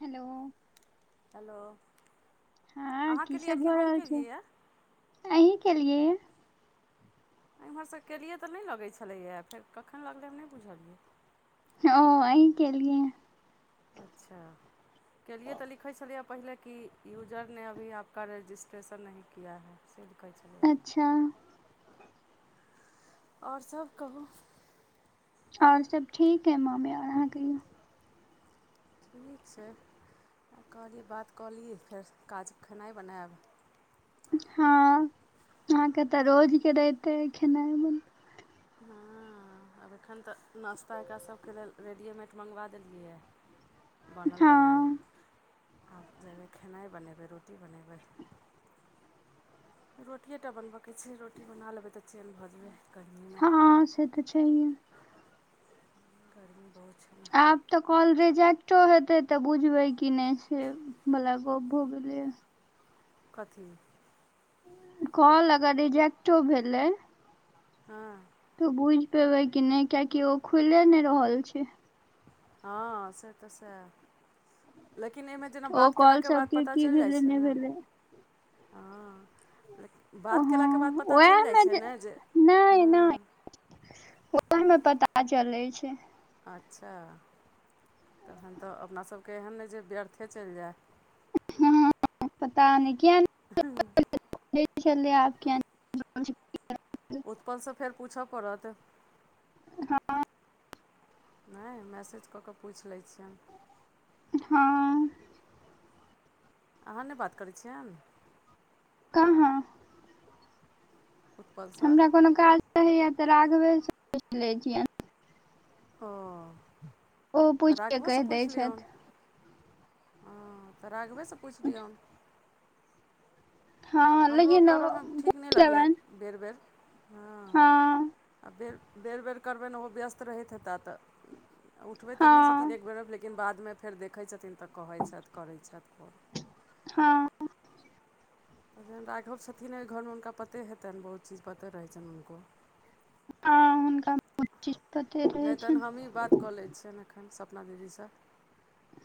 hello hello हँ अहाँ की केलिए सब कि भऽ हम रहल छै केलिए अहीं केलियए एमहर सँ केलियै तऽ नय लगैत छलैए फेर कखन लगलै हम नहि बुझलियै ओ अहीं केलिय अच्छा केलियै तऽ लिखै छलियै पहिले की यूजर ने अभी आपक रजिस्ट्रेशन नही किया है से कहै अच्छा ओर सभ कहू ओर सब ठीक है माँमे आ रह कहिऔ ठीक छै कहलियै बात कऽलियै फेर खेनाइ बनाबै हँ आहाँ के तऽ रोजके दाएत खेनाय में हँ हँ आब एखन तऽ नाश्ता एकरा सबके लेल रेडीमेड मँगबा देलियै बनल बनैल हँ आब जेबै खेनाइ बनेबै रोटी बनेबै रोटिएटा बनबऽके छै रोटी बना लेबै तऽ चैन भऽ जेबै गर्मीमे हँ से तऽ छैहिए गर्मी बहुत छै ने आब तऽ कॉल रिजेक्टो हेतै तऽ बुझबे की नहि से वला गोप भोगल कथी कॉल अगर रिजेक्टो भेलै हँ तऽ बुइझ पेबै कि नहि कियाकि ओ खुले नहि रहल छै हँ से तऽ सैह लेकिन एमे जेना ओ बात केला कॉल के बाद सबके पता की चलि जाइ भेलै छै नहि ने भेलै हँ लेकिन ओ, बात हँ कयलाके बाद पता वैह चलि जाइ छै ने जे हँ ओह तै में [unintelligible] पता चलैत छै अच्छा तखन तऽ अपनासबके एहन नहि जे व्यर्थे चलि जाय हँ पता नहि [inaudible] लप [inaudible] उत्पन सँ फेर पूछ पड़त ह नय मैसेज कऽ कऽ पूछि लै छियअनि हँ अहाँ नय बात करै छियनि कहाँ उत्पलसँ हमरा कोनो काज रहैया त राघवे से सोच ले छियनि अ ओ तऽ पूछिके राघवो सँ कहि दै पुछ लियौन छथि हँ तऽ राघवे सँ पुछ लियौन हँ हमरो लेकिन करय में ठीक नहि पूछि लगैए लेबनि बेर बेर हँ आ बेर बेर बेर करबैन ओहो व्यस्त रहैत हेताह तऽ उठबै तऽ नहि छथिन हँ एक बेर लेकिन लेकिन बादमें फेर देखै छथिन तऽ कहैत छथ करै छथ हँ न राघव छथिन ओहि घरमे हुनका पते हेतनि बहुत चीज पते रहैत छनि हुनको हँ हुनका चपत नहि तहन हम हीँ बात कऽ लै छियअन एखन सपना दीदी स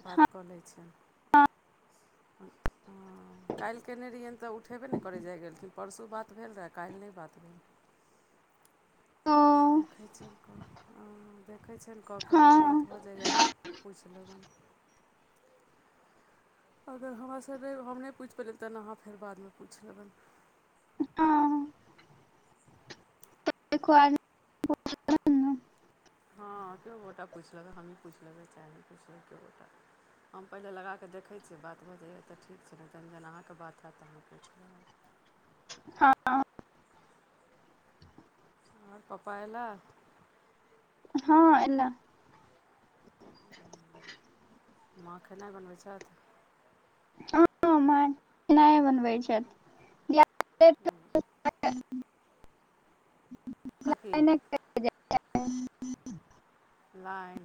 बात हँ कऽ लै छै हँ काल्हि कयने रहियैन तऽ उठेबे नहि करय जाय गेलखिन परसू बात भेल रहए काल्हि नहि बात भेल ओ त देखै छलक देखै छनि कऽ कऽ हँ अगर बात भऽ जाइए तऽ पूछि लेबनि अगर हमरास हम नहि पूछि पयलै तहन अहाँ फेर बादमें पूछि लेबनि हँ देख आम हँ के गोटा पुछलके हमही पुछलगे चाहेी पुछल के गोटा हम पहिले लगाकऽ देखै छियै बात भऽै तऽ ठीक छै नेन जह अहाँके बात हयैत तऽ हम पुछ ल हँ ओर पपा एला हँ एला माँ खेनाइ बनबै हं माना बनबै छथि लेट काकी कहि लाइन